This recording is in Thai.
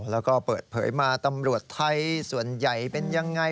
แล้วก็เปิดเผยมาตำรวจไทยส่วนใหญ่เป็นยังไง